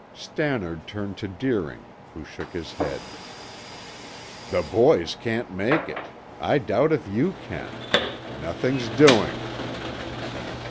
Stannard turned to Deering, who shook his head. "The boys can't make it; I doubt if you can. Nothing's doing!"